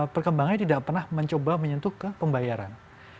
perkembangannya tidak pernah mencoba menyentuh ke pembayaran